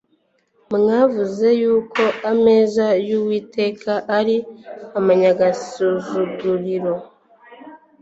Mwavuze yuko ameza yUwiteka ari amanyagisuzuguriro